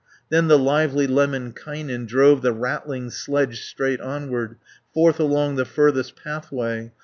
Then the lively Lemminkainen Drove the rattling sledge straight onward Forth along the furthest pathway.